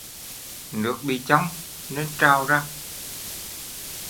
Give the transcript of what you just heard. Nước bị chong nên trào ra